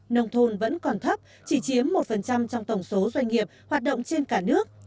nông thôn vẫn còn thấp chỉ chiếm một trong tổng số doanh nghiệp hoạt động trên cả nước